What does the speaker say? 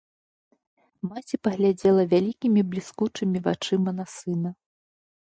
Маці паглядзела вялікімі, бліскучымі вачыма на сына.